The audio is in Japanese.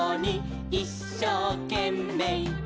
「いっしょうけんめい」